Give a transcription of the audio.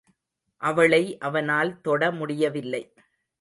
அவளை அவனால் தொட முடியவில்லை.